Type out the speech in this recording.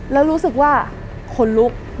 แล้วรู้สึกว่าขนลุก